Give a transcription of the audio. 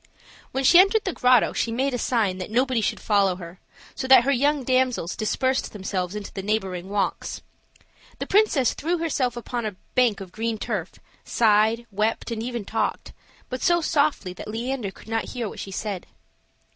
When she entered the grotto, she made a sign that nobody should follow her, so that her young damsels dispersed themselves into the neighboring walks. The princess threw herself upon a bank of green turf, sighed, wept, and even talked, but so softly that Leander could not hear what she said.